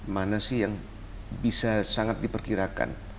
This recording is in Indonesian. mana sih yang bisa sangat diperkirakan